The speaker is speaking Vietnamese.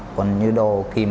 còn như đồ kim